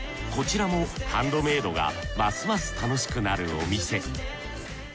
こちらもハンドメイドがますます楽しくなるお店。